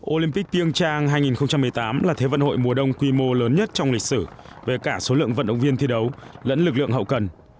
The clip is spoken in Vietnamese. olympic piêng trang hai nghìn một mươi tám là thế vận hội mùa đông quy mô lớn nhất trong lịch sử về cả số lượng vận động viên thi đấu lẫn lực lượng hậu cần